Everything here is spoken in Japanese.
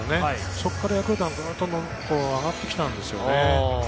そこからヤクルトは、ぐっと上がってきたんですよ。